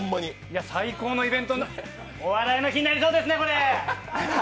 最高のイベント「お笑いの日」になりそうですね！